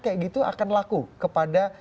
kayak gitu akan laku kepada